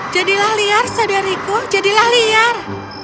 jadilah liar saudariku jadilah liar